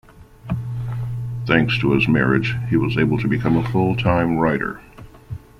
Thanks to his marriage, he was able to become a full-time writer.